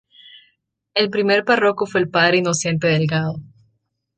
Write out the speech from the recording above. El primer párroco fue el padre Inocente Delgado.